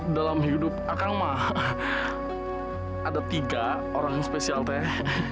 dalam hidup saya ada tiga orang spesial desi